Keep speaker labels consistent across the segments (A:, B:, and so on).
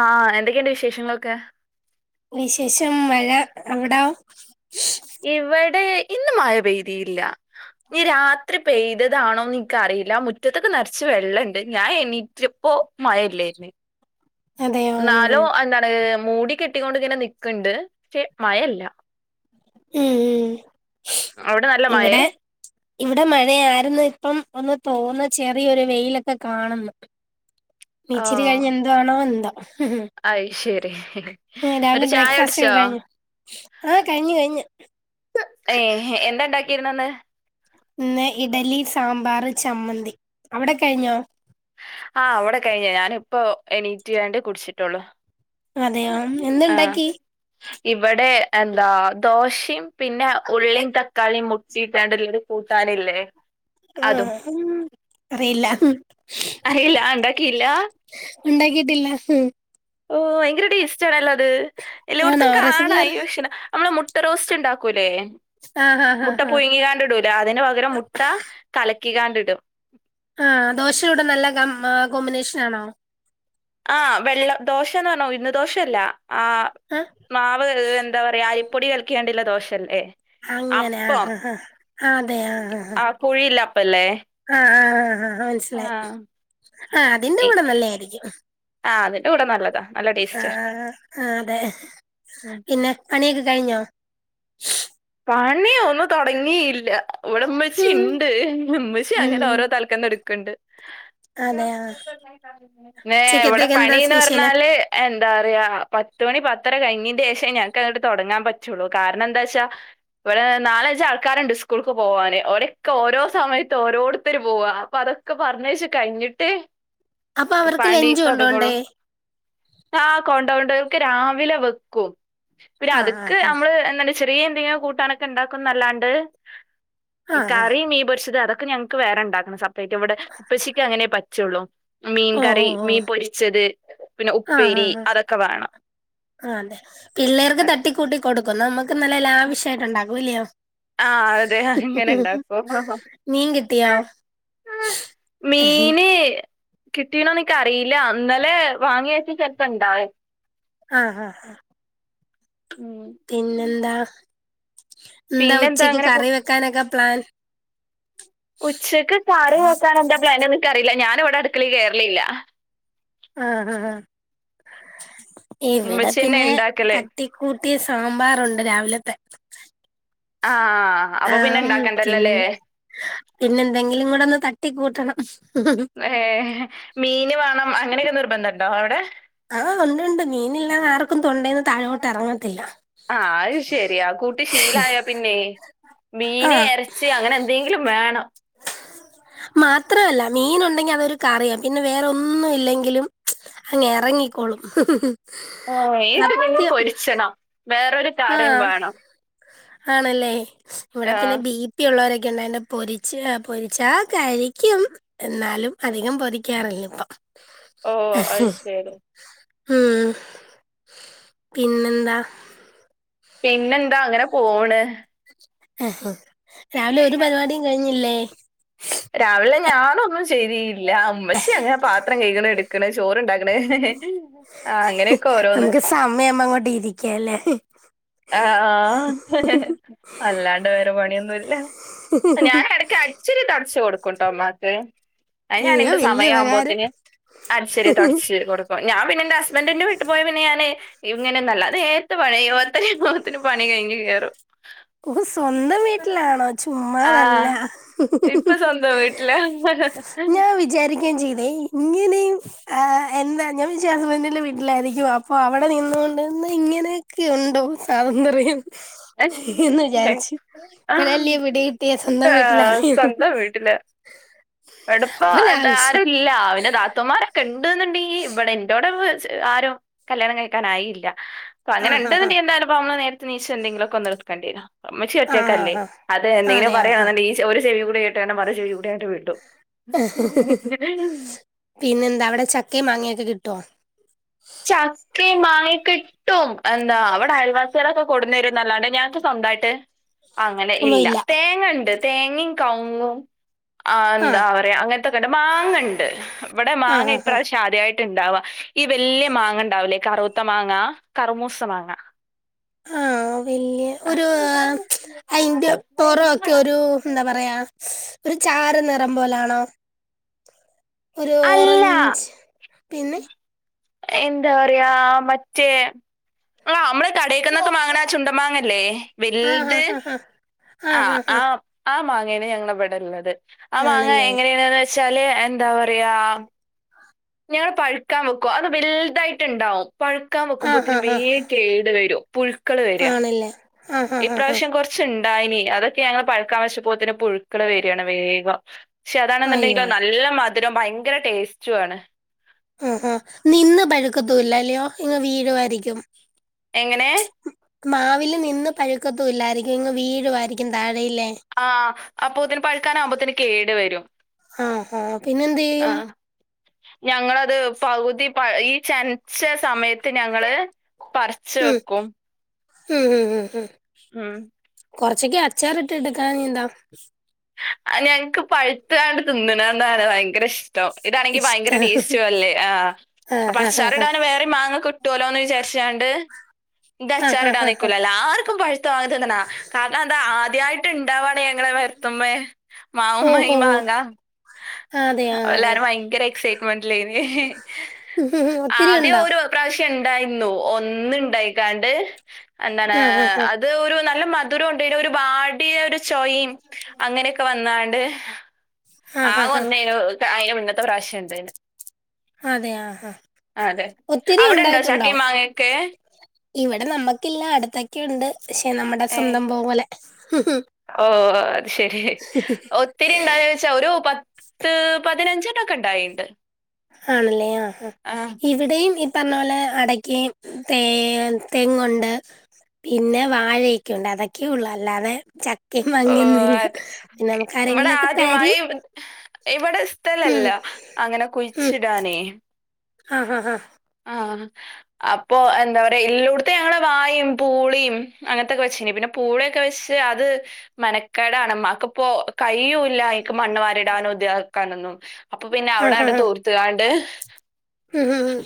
A: ആഹ് എന്തൊക്കെയുണ്ട് വിശേഷങ്ങളൊക്കെ
B: വിശേഷം മഴ അവിടാ
A: ഇവിടെ ഇന്ന് മഴ പെയ്തില്ലാ ഇനി രാത്രി പെയ്തതാണോന്ന് എനിക്കറിയില്ല മുറ്റത്തൊക്കെ നെറച്ച് വെള്ളണ്ട് ഞാൻ എണീറ്റപ്പോ മഴയില്ലേരുന്നു
B: അതെയോ ഉം
A: ന്നാലോ എന്താണ് മൂടി കെട്ടികൊണ്ട് ഇങ്ങനെ നിക്ണ്ട് പക്ഷെ മയയില്ല
B: മ്മ് മ്മ്
A: അവിടെ നല്ല മഴേ?
B: ഇവിടെ ഇവിടെ മഴയായിരുന്നു ഇപ്പം ഒന്ന് തോന്നെ ചെറിയൊരു വെയിലൊക്കെ കാണുന്നു ഇനി ഇച്ചിരി
A: ഓഹ്
B: കഴിഞ്ഞ് എന്ത് ആണോ എന്തോ
A: അയ് ശരി
B: ആഹ് രാവിലെ
A: എന്നിട്ട് ചായ
B: ബ്രേക്ക്ഫാസ്റ്റ് ഒക്കെ
A: കുടിച്ചോ?
B: കഴിഞ്ഞ ആഹ് കഴിഞ്ഞു കഴിഞ്ഞു
A: ഏഹ് എന്താ ഉണ്ടാക്കിയിരുന്നെ ഇന്ന്
B: ഇന്ന് ഇഡലി സാമ്പാർ ചമ്മന്തി അവിടെ കഴിഞ്ഞോ
A: ആഹ് ഇവിടെ കഴിഞ്ഞ് ഞാനിപ്പോ എണീറ്റ് കാണ്ട് കുടിച്ചിട്ടുള്ളു
B: അതെയോ എന്ത്
A: ആഹ്
B: ഉണ്ടാക്കി
A: ഇവിടെ എന്താ ദോശയും പിന്നെ ഉള്ളീം തക്കാളീം മുട്ട ചീറ്റാണ്ട്ള്ളരു കൂട്ടാനില്ലേ അതും
B: ആഹ് ഉം അറിയില്ല
A: അറിയില്ല ഉണ്ടാക്കിയില്ല
B: ഉണ്ടാകീട്ടില്ല
A: ഓഹ് ഭയങ്കര ടേസ്റ്റ് ആണല്ലോ അത്
B: ആണോ
A: എല്ലോട്ത്തും
B: റെസിപ്പി
A: കാണാ
B: ആഹ്
A: ഈ ഭക്ഷണം നമ്മളെ മു ട്ട റോസ്റ്റ് ണ്ടാക്കൂലേ
B: ആഹ് ആഹ്
A: മുട്ട
B: ആഹ്
A: പുഴങ്ങിക്കാണ്ടിടൂലേ അതിന് പകരം മുട്ട കലക്കികാണ്ട് ഇടും.
B: ആഹ് ദോശയൂടെ നല്ല കം ആഹ് കോമ്പിനേഷൻ ആണോ?
A: ആഹ് വെള്ളം ദോശേന്ന് പറഞ്ഞാ ഉഴ്ന്ന് ദോശല്ല ആഹ്
B: അഹ്
A: മാവ് എന്താ പറയാ അരിപ്പൊടി കലക്കിക്കാണ്ട് ഇള്ള ദോശെല്ലേ.
B: അങ്ങനെ ആഹ് ആഹ് ആഹ് അതെ ആഹ് ആഹ് ആഹ്.
A: ആ കുഴിയില്ല അപ്പല്ലേ
B: ആഹ് ആഹ് ആഹ് ആഹ്
A: ആ
B: മനസ്സിലായി ആഹ് അതിന്റെ കൂടെ നല്ലെയായിരിക്കും.
A: ആഹ് അതിന്റെ കൂടെ നല്ലതാ. നല്ല ടേസ്റ്റ്
B: ആഹ് ആഹ് അതെ.
A: ഉം
B: പിന്നെ, പണിയൊക്കെ കഴിഞ്ഞോ?
A: പണി ഒന്നും തൊടങ്ങിയില്ല ഇവടെ ഇമ്മച്ചി
B: ഉം
A: ഇണ് ട് ഇമ്മച്ചി അങ്ങനെ
B: ഉം
A: ഓരോ തലക്കെന്ന് ഇട്ക്ണ്ട്.
B: അതെ ആഹ്
A: ഏഹ് ഇവടെ
B: ഉച്ചക്കത്തേക്ക് എന്താ
A: പണീന്ന്
B: സ്പെഷ്യല്
A: പറഞ്ഞാല് എന്താ പറയാ പത്തുമണി പത്തര കഴിഞ്ഞീൻ്റേഷേ ഞങ്ങക്കങ്ങട്ട് തുടങ്ങാൻ പറ്റുള്ളൂ. കാരണം എന്താച്ചാ ഇവടെ നാലഞ്ച് ആൾക്കാര്ണ്ട് സ്കൂൾക്ക് പോവാന്. ഓലെക്കെ ഓരോ സമയത്ത് ഓരോരുത്തര് പോവാ അപ്പൊ അതൊ ക്കെ പറഞ്ഞയ്ച്ച് കഴിഞ്ഞിട്ട്
B: അപ്പൊ അവർക്ക്
A: പണി
B: ലഞ്ച്
A: തൊടങ്ങൊള്ളൂ.
B: കൊണ്ടോണ്ടേ
A: ആഹ് കൊണ്ടോണ്ടാ ഓൽക് രാവിലെ വെക്കും. പിന്നെ
B: ആഹ്
A: അത്ക്ക്
B: ആഹ്
A: നമ്മള് എന്താണ് ചെറിയ എന്തെങ്കിലും കൂട്ടാനൊക്കെ ഇണ്ടാക്കുംന്നല്ലാണ്ട്
B: ആഹ് ആഹ്
A: കറി മീൻ പൊരിച്ചത് അതൊക്കെ ഞങ്ങക്ക് വേറെണ്ടാക്കണം സപ്പറേറ്റ് ഇവടെ ഉപ്പച്ചിക്ക് അങ്ങനെേ പറ്റുള്ളൂ. മീൻ
B: ആഹ് ഓഹ്
A: കറി
B: ഓഹ്
A: മീൻ
B: ഓഹ്
A: പൊരിച്ചത് പിന്നെ
B: ആഹ്
A: ഉപ്പേരി
B: ആഹ് ആഹ്
A: അതൊക്കെ വേണം.
B: ആഹ് അതെ. പിള്ളേർക്ക്
A: അതെ
B: തട്ടിക്കൂട്ടി കൊടുക്കും നമ്മുക്ക് നല്ല ലാവിശ്ശായിട്ടുണ്ടാക്കും ഇല്ലയോ.
A: ആഹ് അതെ അങ്ങനെണ്ടാക്കും.
B: മീൻ കി
A: മീന് കിട്ടീണോന്ന് ഇൻകറീല്ല ഇന്നലെ വാങ്ങി വെച്ചത് ചെലപ്പംണ്ടാവും.
B: ആഹ് ഹാ ഹാ.
A: ഉം
B: പിന്നെന്താ എന്താ
A: പിന്നെന്താ
B: ഉച്ചക്ക്
A: അങ്ങനെ പോ
B: കറി വെ ക്കാനൊക്കെ പ്ലാൻ.
A: ഉച്ചക്ക് കറി വെക്കാൻ എന്താ പ്ലാന് ന്ന് ഇൻക്ക് അറീല്ല ഞാന് ഇവടെ അട്ക്കളീ കേറലില്ല.
B: ആഹ് ഹ ഹാ. ഇവടെ
A: ഉമ്മച്ചി തന്നെ
B: പിന്നെ
A: ഇണ്ടാക്കല്
B: തട്ടി കൂട്ടി സാമ്പാറുണ്ട് രാവിലത്തെ.
A: ആഹ്.
B: ആ
A: അപ്പൊ പിന്നെ ഇണ്ടാക്കണ്ടെല്ലൊ
B: പിന്നെ
A: ല്ലേ.
B: പിന്നെ എന്തെങ്കിലും കൂടെ ഒന്ന് തട്ടിക്കൂട്ടണം.
A: ഏഹ് മീന് വേണം അങ്ങനെയൊക്കെ നിർബന്ധണ്ടോ അവിടെ?
B: ആഹ് ഉണ്ടുണ്ട് മീനില്ലാതെ ആർക്കും തൊണ്ടേന്ന് താഴോട്ട് എറങ്ങത്തില്ല.
A: ആഹ് അത് ശരിയാ കൂട്ടി ശീലായാ പിന്നേ, മീന് ഇറച്ചി അങ്ങനെ ന്തേങ്കിലും വേണം.
B: അ മാത്രവല്ല മീനുണ്ടെങ്കി അതൊരു കറിയാ പിന്നെ വേറെ ഒന്നും ഇല്ലെങ്കിലും അങ്ങെറങ്ങിക്കോളും.
A: ഓഹ് [inaudible] പൊര്ച്ചണം വേറൊരു കറിയും
B: ആഹ്
A: വേണം.
B: ആണല്ലേ ഇവടെ പിന്നെ
A: ആഹ്
B: ബീ പി യുള്ളവരൊക്കെണ്ട്. അയോണ്ട് പൊരിച്ച് പൊരിച്ചാ കഴിക്ക്യും. എന്നാലും അധികം പൊതിക്കാറില്ല ഇപ്പം
A: ഓഹ് അത് ശരി
B: ഉം പിന്നെന്താ
A: പിന്നെന്താ അങ്ങനെ പോണ്
B: രാവിലെ ഒരു പരിപാടിയും കഴിഞ്ഞില്ലേ
A: രാവിലെ ഞാനൊന്നും ചെയ്തില്ല ഉമ്മച്ചി അങ്ങനെ പാത്രം കൈക്ണ് എടുക്കണ് ചോറുണ്ടാക്ക്ണ് ആഹ് അങ്ങനെയൊക്കെ ഓരോന്ന്
B: സമയം ആവുമ്പോ അങ്ങോട്ട് ഇരിക്കാല്ലേ
A: ആഹ് ആഹ് അല്ലാണ്ട് വേറെ പണിയൊന്നുല്ല ഞാനെടക്ക് അ ടിച്ചുവാരിതൊടച്ചു കൊടുക്കുട്ടോമ്മാക്ക് അത്
B: അയ്യോ
A: ഞാാനയിന്റെ
B: വലിയ ഉപകാരം
A: സമയാവുമ്പോത്ത്ന് അടിച്ചരിതുടച്ച് കൊടുക്കും ഞാൻ പിന്നെ എന്റെ ഹസ്ബൻഡറിന്റെ വിട്ടു പോയാ പിന്നെ ഞാന്ൻ. ഇങ്ങനെന്നുല്ല അത് നേരത്തെ പണി കയ്യും ത്തിന് പണി കഴിഞ്ഞ് കയറും
B: ഓഹ് സ്വന്തം വീട്ടിലാണോ ചുമ്മാതല്ല
A: ആഹ് ഇപ്പൊ സ്വന്തം വീട്ടിലാ
B: ഞാൻ വിചാരിക്കയും ചെയ്തു ഇങ്ങനെയും ആഹ് എന്താ ഞാൻ വിചാരിച്ചു ഹസ്ബൻറിന്റെ വീട്ടിലായിരിക്കും അപ്പൊ അവിടെ നിന്നുകൊണ്ട് എന്താ ഇങ്ങനെ ഒക്കെ ഉണ്ടോ സ്വാതന്ത്ര്യം എന്ന് വിചാരിച്ച് ഇപ്പളല്ലെ
A: ആഹ്
B: പിടികിട്ടിയെ സന്തം വീട്ടിലായിരുന്നുന്ന്
A: ഇവിടുപ്പം അത ആരുല്ല എന്റെ നാത്തൂന്മാർ ക്കെണ്ട് എന്നുണ്ടെങ്കി ഇവിടെ എൻ്റോടെ ആരും കല്യാണം കഴിക്കാനായിയില്ല അപ്പൊ
B: ആ
A: അങ്ങനെ
B: ആ ആ
A: ഉണ്ട്ന്ന്ണ്ടെങ്കി എന്തായാലുപ്പം നമ്മള് നേരത്തെ നീച്ച് എന്തെങ്കിലൊക്കെ ഒന്ന് എടുക്കേണ്ടി വരും
B: ആഹ്
A: ഇമ്മിച്ചിയൊറ്റക്ക് അല്ലേ
B: ആഹ് ആഹ്
A: അതെ എന്തെങ്കിലും പറയാണെങ്കിൽ ഈ ഒരു ചെവി കൂടി കേട്ട് മറു ചെവി കൂടെ ആട്ട് വിടും [inaudible]
B: പിന്നെ എന്താ അവിടെ ചക്കയും മാങ്ങയൊക്കെ കിട്ടുവോ
A: ചാക്കയും മാങ്ങയും കിട്ടും എന്താ ഇവിടെ അയൽവാസികളൊക്കെ കൊടുുന്നരും എന്നല്ലാണ്ട് ഞങ്ങക്ക് സ്വന്തമായിട്ട് അങ്ങനെ ഇല്ല
B: ഒന്നുമില്ല
A: തേങ്ങണ്ട് തേങ്ങയും കവങ്ങും ആ എന്താ
B: ആഹ്
A: പറയാ അങ്ങനെ മാങ്ങ ഉണ്ട് ഇവിടെ മാങ്ങ
B: ആഹ് ആഹ്
A: ഇപ്രാവശ്യമാദ്യയായിട്ട് ഉണ്ടാവാ ഈ വലിയ മാങ്ങ ഉണ്ടാവലേ കറൂത്ത മാങ്ങ കറുമൂസ മാങ്ങ
B: ആഹ് വലിയ ഒരു അതിന്റെ പൊറൊക്കെ ഒരു എന്താ പറയാ ഒരു ചാാര നിറം പോലാണോ ഒരു
A: അല്ല
B: ഓറഞ്ച് പിന്നെ
A: എന്താ പറയാ മറ്റേ ആഹ് നമ്മള് കടയിക്കന്നൊക്കെ മാങ്ങ്ണ ആ ചുണ്ടമാങ്ങല്ലേ
B: ആഹ്
A: വല്ത്
B: ആഹ് ആഹ്
A: ആഹ് ആഹ് ആ മാങ്ങാണ് ഞങ്ങളവിടെ ഉള്ളത് ആ മാങ്ങെ
B: ആണല്ലേ
A: എങ്ങനെയണന്ന് വെച്ചാല് എന്താ പറയാ ഞങ്ങള് പഴുക്കാൻ വെക്കും അത് വലുതായിട്ട്ണ്ടാവും പഴുക്കാൻ
B: ആഹ്
A: വൊക്കുമ്പോത്തിന്
B: ആഹ് ആഹ്
A: വേഗം കേട് വരും പുഴുക്കള് വരിക
B: ആണല്ലേ ആഹ് ആഹ് ആഹ്
A: ഇപ്രാവശ്യം
B: ആഹ്
A: കുറച്ച്ണ്ടായിനി അതൊക്കെ ഞങ്ങള് പഴുക്കാൻ വച്ചപോത്തിന് പുഴുക്കള് വരുകയാണ് വേഗം പക്ഷെ അതാണെന്നുണ്ടെങ്കിലോ
B: അയ്യോ
A: നല്ല മധുരം ഭയങ്കര ടേസ്റ്റു ആണ്
B: ആഹ് ആഹ് നിന്ന് പഴുക്കത്തില്ല അല്ലയോ ഇങ്ങനെ വീഴുമായിരിക്കും
A: എങ്ങനെ
B: മാവിൽ നിന്ന് പഴുക്കത്തുല്ലായിരിക്കും ഇങ്ങ് വീഴുമായിരിക്കും താഴെയില്ലേ
A: ആഹ് അപ്പൊതിന് പഴുക്കാനാകുമ്പത്തിന് കേട് വരും
B: ആഹ് പിന്നെ എന്ത് ചെയ്യും
A: ആഹ് ഞങ്ങളത് പകുതി ഈ ചെൻച്ച സമയത്ത് ഞങ്ങള് പർ
B: ഉം ഉം ഉം ഉം.
A: ഉം.
B: കൊർച്ചൊക്കെ അച്ചാറിട്ടെട്ക്കാഞ്ഞി എന്താ?
A: ഞങ്ങ്ക്ക് പഴുത്താണ്ട് തിന്ന്ണതാണ് ഭയങ്കര ഇഷ് ടം ഇതാണെങ്കി ഭയങ്കര
B: ഇഷ്ടാ
A: ടേസ്റ്റുവല്ലേ ആഹ് അപ്പൊ
B: ആഹ് ആഹ് ആഹ്
A: അച്ചാറ്ടാന് വേറിം- മാങ്ങ കിട്ടോലോ എന്ന് വിചാരിച്ചാണ്ട്
B: ആഹ് ആഹ്
A: ഇതച്ചാറ്ടാൻ
B: ആഹ് ആഹ്
A: നിക്കൂല എല്ലാർക്കും പഴു [unintelligible] ത്ത മാങ്ങ തിന്നണം [unintelligible] കാര്ണം എന്താ ആദ്യായിട്ട് ഇണ്ടാവാണ് ഞങ്ങളെ മര്ത്ത്മ്മേ മാവു
B: ഓഹോ
A: മ്മേ ഈ
B: ഹോ ഹോ
A: മാങ്ങാ-
B: ആ അതെ ആഹ് ആഹ്
A: ഏല്ലാരും ഭയങ്കര എക്സൈറ്റ്മെന്റ്ലേന്
B: ഒത്തിരി ഉണ്ടോ
A: ആദ്യൊര് പ്രാവശ്യം ഇണ്ടായ്ന്നു ഒന്ന് ഇണ്ടായ്ക്കാണ്ട് എന്താണ്
B: ആഹ് ആഹ്
A: അ അത് ഒരു നല്ല മധുരോണ്ട് ഒരു വാടിയ ഒരു ചൊയിം അങ്ങനൊക്കെ വന്നാണ്ട് ആ
B: ആഹ് ആഹ് ആഹ്
A: ഒന്നേനു ഐൻ്റെ മുന്നത്തെ പ്രാവശ്യം ഇണ്ടേനു.
B: അതെ ആഹ് ആഹ്
A: അതെ
B: ഒത്തിരി
A: അവിടെണ്ടോ ചക്കിം മാങ്ങേക്കെ?
B: ഇവടെ നമ്മക്കില്ല അടുത്തൊക്കെണ്ട് പക്ഷെ നമ്മടെ സ്വന്തം പോലെ.
A: ഓഹ് അത് ശെരി ഒ- ഒത്തിരി ഇണ്ടായോ ചോയ്ച്ചാ ഒരു പത്ത് പതിനഞ്ചെണ്ണൊക്കെ ഇണ്ടായീണ്ട്.
B: ആണല്ലേ ആഹ് ആഹ് ഇവടേം ഇപ്- ഈ പർഞ്ഞ പോലെ അടക്കേം തേ തെങ്ങുണ്ട്. പിന്നെ വാഴയൊക്കെണ്ട് അതൊക്കെ ഒള്ളു അല്ലാതെ ചക്
A: ഓഹ് അതെ ഇവടെ
B: ആരെങ്കിലുമൊക്കെ
A: ആദ്യമായി
B: തരും
A: ഇവടെ
B: ഉം
A: സ്ഥലല്ല. അങ്ങനെ
B: ഉം
A: കുഴ്ച്ചിടാനേ
B: ആ ഹാ ഹാ
A: ആഹ്- അപ്പൊ എന്താ പറയാ എല്ലോട്ത്തും ഞങ്ങള് വായിം പൂളിം അങ്ങൻത്തൊക്കെ വെച്ചീനി പിന്നെ പൂളൊക്കെ വെച്ച് അത് മെനക്കേടാണ് ഇമ്മാക്ക്പ്പോ കയ്യൂല്ല ഐക്ക് മണ്ണ് വരിടാനും ഇതിയക്കാനൊന്നും. അപ്പൊ പിന്നെ
B: ആ ഹാ
A: അവ്ടാണ്ട്
B: ഹാ
A: തൂർത്ത് കാണ്ട്
B: ഉം ഉം ഉം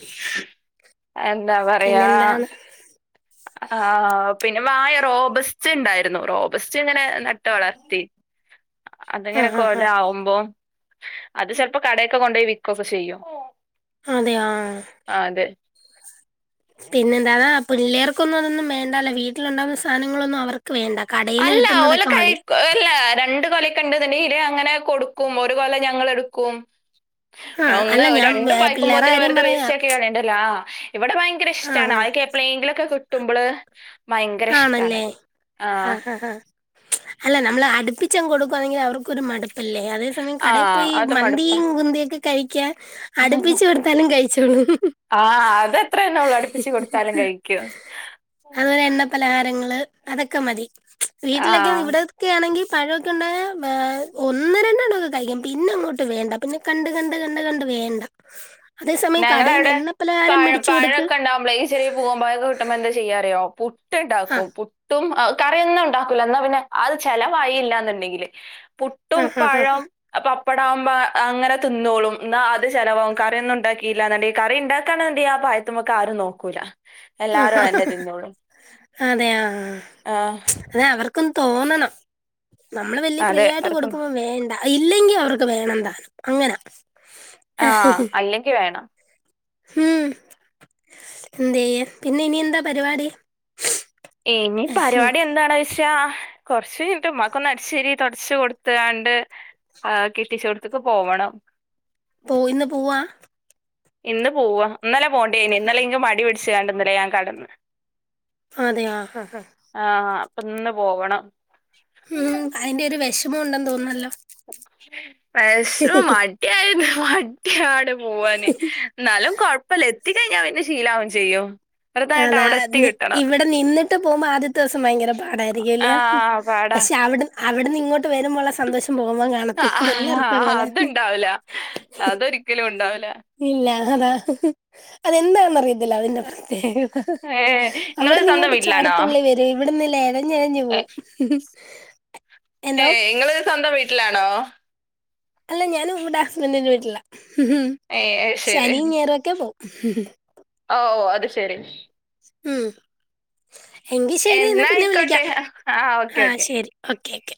A: എന്താ പറയാ
B: പിന്നെന്താണ്
A: ആഹ് പിന്നെ വായ റോബസ്റ്റ് ഇണ്ടായിര്ന്നു റോബസ്റ്റ്ങ്ങനെ നട്ട് നട്ട് വളർത്തി
B: ആ
A: അത്ങ്ങനെ
B: ഹാ ഹാ
A: കൊലാവൂമ്പോ അത് ചെൽപ്പൊ കടേക്ക് കൊണ്ടോയി വിക്കൊക്കെ ചെയ്യും.
B: അതെ ആഹ്.
A: ആഹ് അതെ
B: പിന്നെ എന്താതാ പില്ലേർക്കൊന്നും അതൊന്നും വേണ്ടല്ലേ വീട്ട്ല്ണ്ടാവുന്ന സാധനങ്ങളൊന്നും അവർക്ക് വേണ്ട കടേ
A: അല്ലാ ഓല് കഴി അല്ലാ രണ്ട് കൊലൊക്കെ ഇണ്ട്ന്ന്ണ്ടെങ്കി ഇതേഅങ്ങനെ കൊടുക്കും ഒരു കൊല ഞങ്ങളെട്ക്കും.
B: ആ അല്ല
A: ഒന്ന്
B: ഞാൻ
A: രണ്ടും
B: വേ- പിള്ളേരെ
A: പയ്ക്കുമ്പോത്തിനും
B: കാര്യം
A: വെർതെ
B: പറയാ
A: വേസ്റ്റാക്കി കളയണ്ടല്ലോ ആഹ് ഇവടെ ഭയങ്കര
B: ആ
A: ഇഷ്ടാണ് അദ്യിക്കെ എപ്പ്ളേങ്കിലൊക്കെ കിട്ടുമ്പള് ഭയങ്കര
B: ആണല്ലേ
A: ഇഷ്ടാണത്
B: ആഹ് ആഹ് ആഹ്. അല്ല നമ്മള് അട്പ്പിച്ചങ്ങ് കൊടുക്കുവാന്നെങ്കി അവർക്കൊരു മട്പ്പല്ലേ അതേ സ് സമയം കടയീ
A: ആഹ്
B: പോയി
A: അത് മടുപ്പാ
B: മന്തിയും കുന്തിയൊക്കെ കഴിക്കാൻ അട്പ്പിച്ച് കൊട്ത്താലും കഴിച്ചോളും.
A: ആഹ് അത് അത്രേന്നെ അവള് അട്പ്പ്ച്ച് കൊട്ത്താലും കഴിക്കും.
B: അതുപോലെ എണ്ണ പലഹാരങ്ങള് അതൊക്കെ മതി വീട്ടിലൊക്കെ
A: ആഹ്
B: ഇവിടെ ഒക്കെ ആണെങ്കി പഴൊക്കെണ്ടായാ ഒന്ന് രണ്ടെണ്ണൊക്കെ കഴിക്കും പിന്നെ അങ്ങട്ട് വേണ്ട. പിന്നെ കണ്ട് കണ്ട് കണ്ട് കണ്ട് വേണ്ട അതേ സമയം കടേന്ന്
A: ഞങ്ങളവിടെ
B: എണ്ണ പലഹാരം
A: പഴ
B: മേടിച്ച് കൊട്ക്ക്
A: പഴമൊക്കെ ഉണ്ടാകുമ്പോളേ ഈ ചെറിയ പൂവംപഴൊക്കെ കിട്ടുമ്പോ എന്താ ചെയ്യാറിയോ
B: ആ
A: പുട്ട്ണ്ടാക്കും പു ട്ടും കറിയൊന്നും ഇണ്ടാക്കൂല ഇന്നാ പിന്നെ അത് ചെലവായില്ലാന്ന്ണ്ടെങ്കില്
B: ആ
A: പുട്ടും
B: ആ ആ ആ
A: പഴം പപ്പടാകുമ്പോ അങ്ങനെ തിന്നോളും ഇന്നാ അത് ചെലവാവും കാറി ഒന്നും ഇണ്ടാക്കി ഇല്ലാന്നുണ്ടെങ്കി കറി ഇണ്ടാക്കാന്നുണ്ടെങ്കി ആഹ് ഭാഗത്തുമേക്ക് ആരും നോക്കൂല എല്ലാരും തന്നെ തിന്നോളും
B: അതേയോ
A: ആ
B: അതെ അവർ ക്കും തോന്നണം നമ്മള് വല്യ
A: അതെ
B: ഫ്രീയായിട്ട്
A: അവർക്ക് നോ-
B: കൊടുക്കുമ്പോ വേണ്ട ഇല്ലെങ്കിൽ അവർക്ക് വേണം താനും അങ്ങനാ
A: ആഹ് അല്ലെങ്കി വേണം
B: ഉം എന്തേയ്യാ പിന്നെ ഇനി എന്താ പരിപാടി
A: ഇനി
B: ഉം
A: പരിപാടി എന്താണ് വെ ച്ചാ കൊറച്ചു കഴിഞ്ഞിട്ട് ഉമ്മാക്കൊന്ന് അടിച്ചുവാരി തൊടച്ച് കൊടുത്തുകാണ്ട് ആഹ് കെട്ടിച്ചോടത്തേക്ക് പോവണം
B: പോ ഇന്ന് പോവാ
A: ഇന്ന് പോവാ ഇന്നലെ പോവണ്ടേനി ഇന്നലെ ഇൻക്ക് മടി പിടിച്ചാണ്ട്ന്നില്ലേ ഞാൻ കെടന്ന്
B: അതെയോ ആഹ് ഹാ ഹാ
A: ആഹ് അപ്പിന്ന് പോവണം
B: ഉം അതിന്റെ ഒരു വിഷമം ഉണ്ടെന്ന് തോന്നുന്നല്ലോ
A: [unintelligible] ക്കായ്ന് മടിയാണ് പോവാന് എന്നാലും കുഴപ്പില്ല എത്തിക്കഴിഞ്ഞാ പിന്നെ ശീലാവും ചെയ്യും
B: ആഹ്
A: വെറുതായിട്ട് അവിടെ
B: നാളെ
A: എത്തി
B: നി
A: കിട്ടണം
B: ഇവിടെ നിന്നിട്ട് പോവുമ്പോ ആദ്യത്തെ ദിവസം ഭയങ്കര പാടായിരിക്കുവല്ല്യോ
A: ആഹ് പാടാ
B: പക്ഷെ അവിടു അവിടുന്നിങ്ങോട്ട് വരുമ്പോള്ള സന്തോഷം പോകുമ്പോ കാ
A: ആഹ് അതുണ്ടാവൂല അതൊരിക്കലുണ്ടാവൂല
B: ഇല്ല അതാ അതെന്താന്നറിയത്തില്ല അതിന്റെ പ്രത്യേക
A: ഏഹ് ഇങ്ങള് സ്വന്തം
B: അവിടിന്നിങ്ങോട്ട്
A: വീട്ടിലാണോ
B: ചാടിത്തുള്ളി വരും ഇവിടന്നില്ലേ ഇഴഞ്ഞെഴഞ്ഞ് പോവും എന്തോ
A: ഏഹ് ഇങ്ങള് സ്വന്തം വീട്ടിലാണോ
B: അല്ല ഞാനും ഇവിടെ ഹസ്ബന്റിന്റെ വീട്ടിലാ
A: ഏഹ് അയ്ശരി
B: ശനിയും ഞായറുവൊക്കെ പോവും
A: ഓ ഓ അത് ശെരി
B: ഉം എങ്കി ശെരി എന്നാ പിന്നെ വിളിക്കാം
A: ആ ഓക്കെ
B: ആഹ്
A: ഓക്കെ
B: ശെരി ഓക്കെ ഓക്കെ